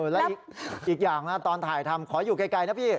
และอีกอย่างนะตอนถ่ายทำขออยู่ไกลนะพี่